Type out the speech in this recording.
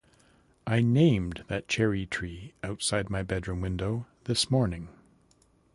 I named that cherry-tree outside my bedroom window this morning.